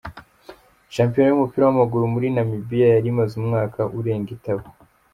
Shampiyona y'umupira w'amaguru muri Namibia yari imaze umwaka urenga itaba.